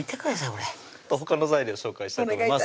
これほかの材料紹介したいと思います